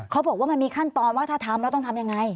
เขาบอกว่ามันมีขั้นตอนว่าถ้าทำแล้วต้องทำยังไง